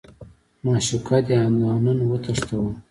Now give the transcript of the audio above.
معشوقه دې همدا نن وتښتوه.